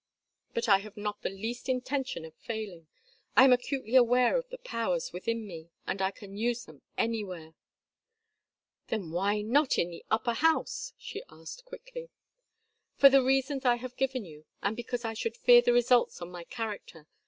But I have not the least intention of failing. I am acutely aware of the powers within me, and I can use them anywhere." "Then why not in the Upper House?" she asked, quickly. "For the reasons I have given you, and because I should fear the results on my character.